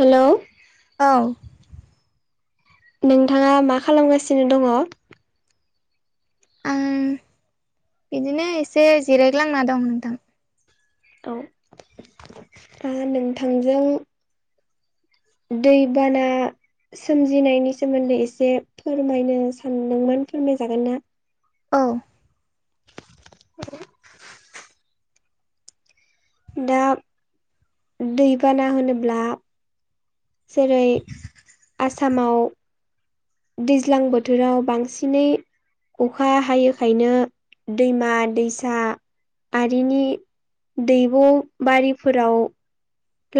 Hello औ नोंथाङा मा खालामगासिनो दङ आं बिदिनो एसे जिरायग्लांना दं नोंथां औ नोंथांजों दैबाना सोमजिनायनि सोमोन्दै एसे फोरमायनो सानदोंमोन फोरमायजागोन ना औ औ दा दैबाना होनोब्ला जेरै आसामाव दैज्लां बोथोराव बांसिनै अखा हायैखायनो दैमा दैसा आरिनि दैब' बारिफोराव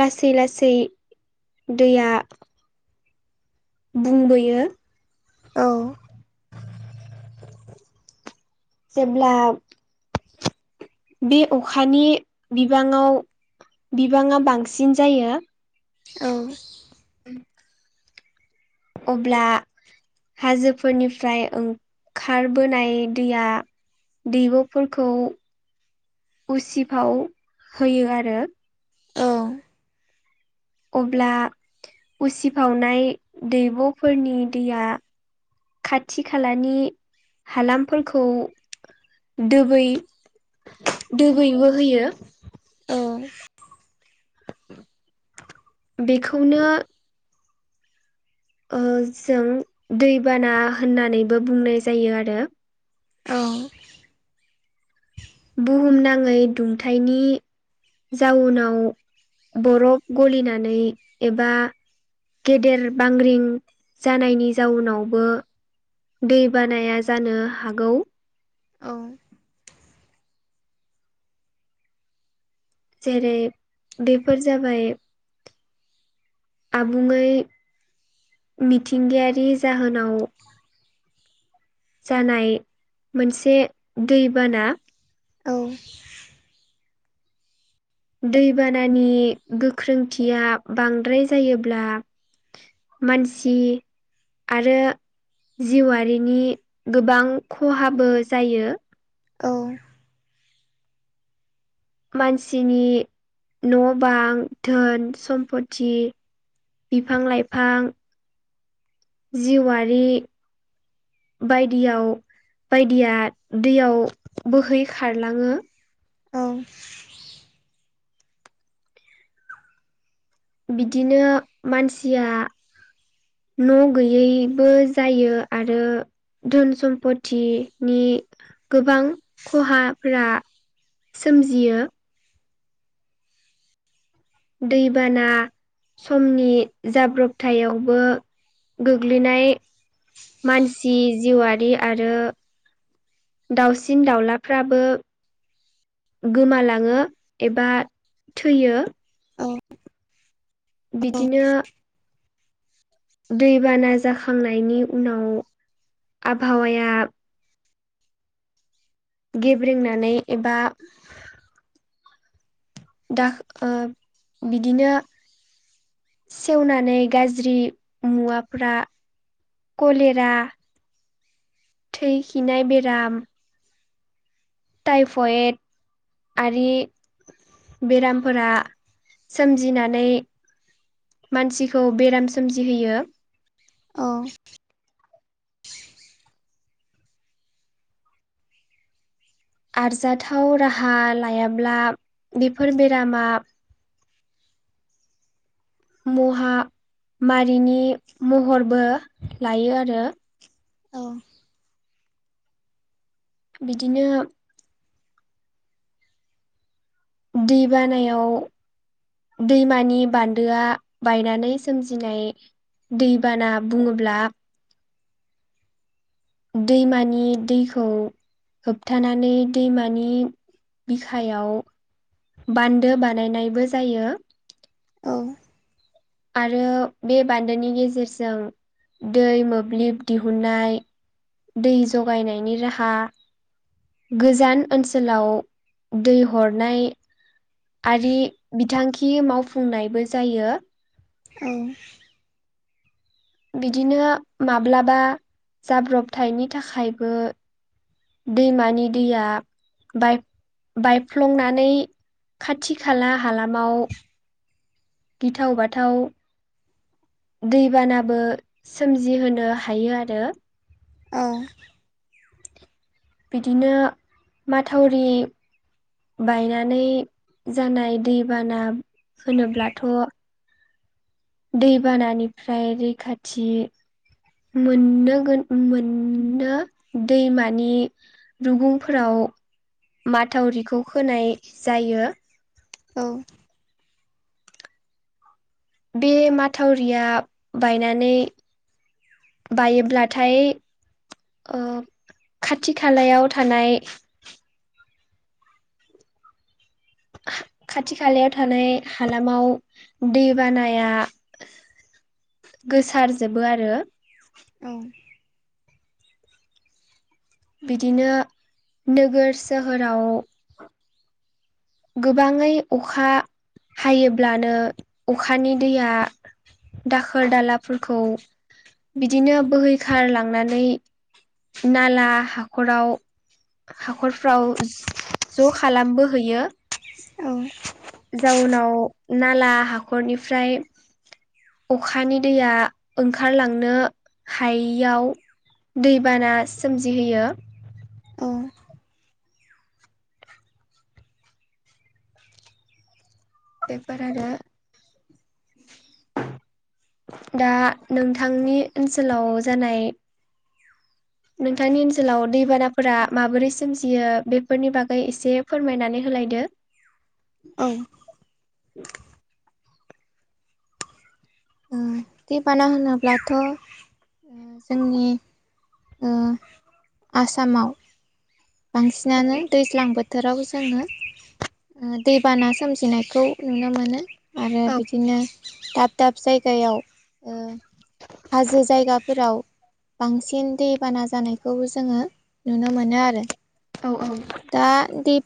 लासै लासै दैया बुंबोयो औ जबोब्ला बे अखानि बिबाङाव बिबाङा बांसिन जायो औ [unintelligible] अब्ला हाजोफोरनिफ्राय ओंखारबोनाय दैया दैब'फोरखौ उसिफाव होयो आरो औ अब्ला उसिफावनाय दैब'फोरनि दैया खाथि खालानि हालामफोरखौ दै दोबैबोो होयो द बेखौनो जों दैबाना होननानैबो बुंनाय जायो आरो औ बुहुमनााङै दुंथनि जाउनाव बरफ गलिनानै एबा गेदेर बांग्रिं जानायनि जाउनावबो दै बानाया जानो हागौ औ जेरै बेफोर जाबाय आबुङै मिथिंगायारि जाहोनाव जानाय मोनसे दैबाना औ दैबानानि गोख्रोंथिया बांद्राय जायोब्ला मानसि आरो जिउआारिनि गोबां खहाबो जायो औ मानसिनि न' बां धोन सम्पथि बिफां लाइफां जिवारि बायदियाव बायदिया दैयाव बोहै खारलाङो औ बिदिनो मानसिया न' गैयैबो जायो आरो धोन सम्पतिनि गोबां खहाफोरा सोमजियो दैबाना समनि जाब्रबथायावबो गोग्लैनाय मानसि जिउआरारि आरो दाउसिन दाउलाफ्राबो गोमालाङो एबा थैयो बिदिनो दैबाना जाखांनायनि उनाव आबहावाया गेब्रेंनानै एबा दा बिदिनो सेवनानै गाज्रि मुवाफ्रा कलेरा थै खिनाय बेराम टाइफयेड आरि बेरामफोरा सोमजिनानै मानसिखौ बेराम सोमजिहोयो औ आरजाथाव राहा लायाब्ला बेफोर बेरामा [inaudible] महा मारिनि महरबो लायो आरो औ बिदिनो दै बानायाव दैमानि बान्दोआ बायनानै सोमजिनाय दैबाना बुङोब्ला दैमानि दैखौ होबथानानै दैमानि बिखायाव बान्दो बानायनायबो जायो औ आरो बे बान्दोनि गेजेरजों दै मोब्लिब दिहुननाय दै जगायनायनि राहा गोजान ओनसोलाव दै हरनाय आरि बिथांखि मावफुंनायबो जायो औ बिदिनो माब्लाबा जाब्रबथायनि थाखायबो दैमानि दैया बाय बायफ्लंनानै खाथि खाला हालामाव गिथाव बाथाव दैबानाबो सोमजिहोनो हायो आरो औ बिदिनो माथावरि बायनानै जानाय दैबाना होनोब्लाथ' दैबानानिफ्राय रैखाथि मोननो गो मोननो दैमानि रुगुंफोराव माथावरिखौ होनोनाय जायो औ बे माथावरिया बायनानै बायोब्लाथाय ओ खाथि खालायाव थानाय [unintelligible] खाथि खालायाव थानाय हालामाव दै बानाया गोसारजोबो आरो औ बिदिनो नोगोर सोहोराव गोबाङै अखा हायोब्लानो अखानि दैया दाखोर दालाफोरखौ बिदिनो बोहैखारलांनानै नाला हाखराव हाखरफ्राव ज' खालामबोहयो औ जाउनाव नाला हाखरनिफ्राय अखानि दैया ओंखारलांनो हायियाव दैबाना सोमजिहोयो औ बेेफोरार दा नोंथांनि ओनसोलाव जानाय नोंथांनि ओनसोलाव दैबानाफोरा माबोरै सोमजियो बेफोरनि बागै एसे फोरमायनानै होलायदो औ औ दै बाना होनोब्लाथ' जोंनि आसामाव बांसिनानो दैज्लां बोथोर बोथोराव जोङो दैबाना सोमजिनायखौ नुनो मोनो आरो औ बिदिनो दाब दाब जायगायाव हाजो जायगाफोराव बांसिन दैबाना जानायखौबो जोङो नुनो मोनो आरो औ औ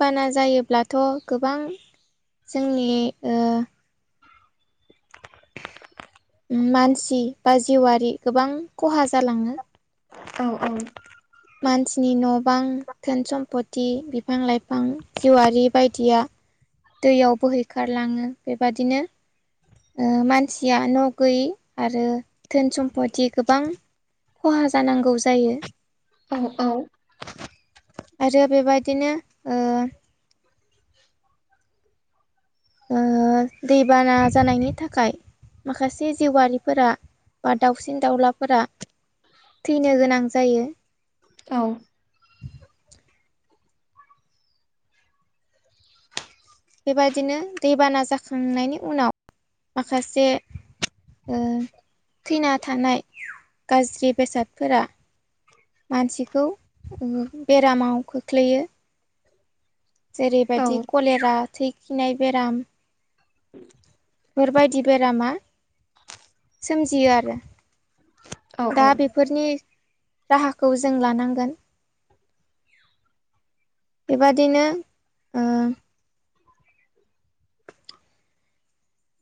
बाना जायोब्लाथ' गोबां जोंनि मानसि बा जिउआरारि गोबां खहा जालाङो औ औ गोबां धोन सम्फति बिफां लाइफां जिउआारि बायदिया दैयाव बोहैखारलाङो बेबादिनो मानसिया न' गैयै आरो धोन सम्पति गोबां खहा जानांगौ जायो औ औ आरो बेबायदिनो ओ [unintelligible] दैबाना जानायनि थाखाय माखासे जिउआारिफोरा बा दाउसिन दाउलाफोरा थैनो गोनां जायो औ बेबायादिनो दैबाना जाखांनायनि उनाव माखासे थैना थानाय गाज्रि बेसादफोरा मानसिखौ बेरामाव खोख्लैयो औ जेरैबायदि कलेरा थै खिनाय बेराम बेबायदि बेरामा सोमजियो आरो औ दा औ बेफोरनि राहाखौ जों लानांगोन। बेबादिनो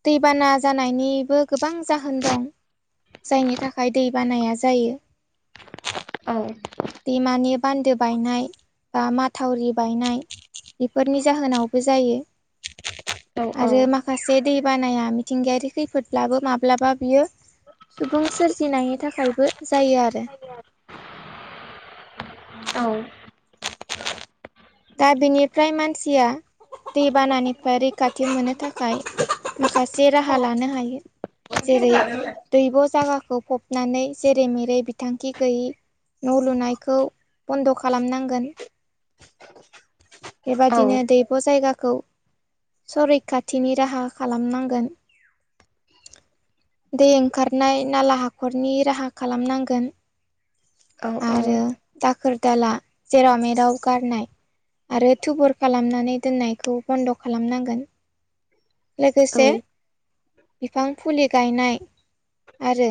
दैबाना जानायनिबो गोबां जाहोन दं जायनि थाखाय दै बानाया जायो औ बिमानि बान्दो बायनाय बा माथावरि बायनाय बेफोरनि जाहोनावबो जायो आरो माखासे दै बानाया मिथिंगायारि खैफोदब्लाबो माब्लाबा बियो सुबुं सोरजिनायनि थाखायबो जायो आरो औ दा बिनिफ्राय मानसिया दैबानानिफ्राय रैखाथि मोननो थाखाय माखासे राहा लानो हायो। जेरै दैब' जागाखौ फबनानै जेरै मेरै बिथांखि गैयि न' लुनायखौ बन्द' खालामनांगोन। बेबादिनो दैब' जायगा खौ सरैखाथिनि राहा खालामनांगोन। दै ओंखारनाय नाला हाखरनि राहा खालामनांगोन। आरो दाखोर दाला जेराव मेराव गारनाय आरो थुबुर खालामनानै दोननायखौ बन्द' खालामनांगोन। लोगोसे बिफां फुलि गायनाय आरो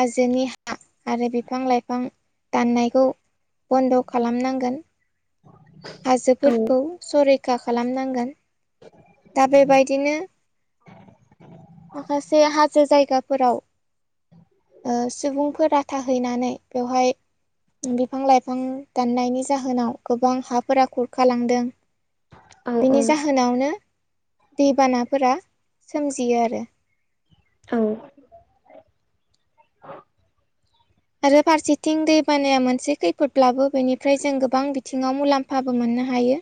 हाजोनि हा आरो बिफां लाइफां दाननायखौ बन्द' खालामनांगोन। हाजोफोरखौ सरैखा खालामनांगोन। दा बेबायदिनो माखासे हाजो जायगाफोराव सुबुंफोर राथा हैनानै बेवहाय बिफां लाइफां दाननायनि जाहोनाव गोबां हाब फोर खुरखालांदों बिनि जाहोनावनो दैबानाफोरा सोमजियो आरो आरो फारसेथिं दै बानाया मोनसे खैफोदब्लाबो बेनिफ्राय जों गोबां बिथिङाव मुलाम्फाबो मोनो। नो हायो।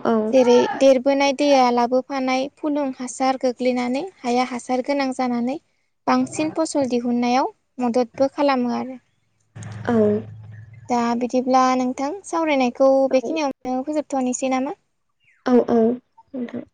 औ जेरै देरबोनाय दैया लाबोफानाय फुलुं हासार गोग्लैनानै हाया हासार गोनां जानानै बांसिन फसल दिहुननायाव मददबो खालामो आरो औ दा बिदिब्ला नोंथां सावरायनायखौ औ बेखिनियावनो फोजोबथ'नोसै नामा? औ औ नोंथां